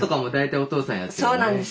そうなんです。